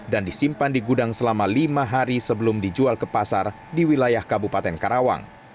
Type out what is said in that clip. dan disimpan di gudang selama lima hari sebelum dijual ke pasar di wilayah kabupaten karawang